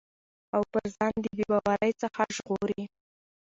او پر ځان د بې باورٸ څخه ژغوري